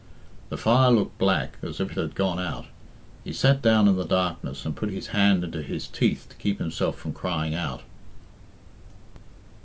The fire looked black, as if it had gone out. He sat down in the darkness, and put his hand into his teeth to keep himself from crying out.